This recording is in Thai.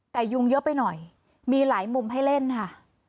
แต่ยุงเยอะไปหน่อยมีหลายมุมให้เล่นค่ะ